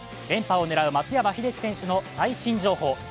連覇を狙う松山英樹選手の最新情報。